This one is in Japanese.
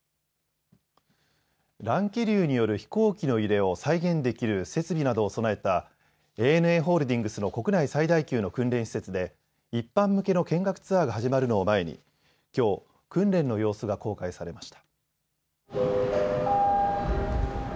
乱気流による飛行機の揺れを再現できる設備などを備えた、ＡＮＡホールディングスの国内最大級の訓練施設で、一般向けの見学ツアーが始まるのを前に、きょう、訓練の様子が公開されました。